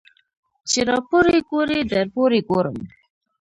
ـ چې راپورې ګورې درپورې ګورم.